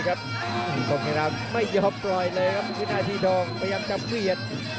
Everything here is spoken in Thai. ตรงกันครับไม่ยอมปล่อยเลยครับวินาธิดองพยายามกำเวียด